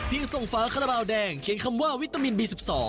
ยังส่งฝาคาราบาลแดงเขียนคำว่าวิตามินบี๑๒